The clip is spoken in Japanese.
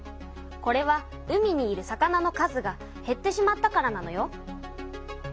これは海にいる魚の数がへってしまったからなのよ。